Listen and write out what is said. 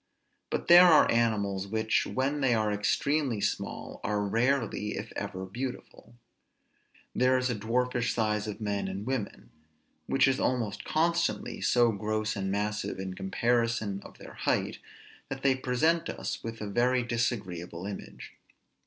But there are animals, which, when they are extremely small, are rarely (if ever) beautiful. There is a dwarfish size of men and women, which is almost constantly so gross and massive in comparison of their height, that they present us with a very disagreeable image.